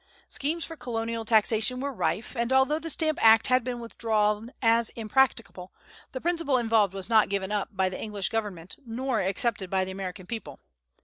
Schemes for colonial taxation were rife, and, although the Stamp Act had been withdrawn as impracticable, the principle involved was not given up by the English government nor accepted by the American people.